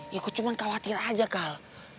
ya kok cuma khawatir aja kal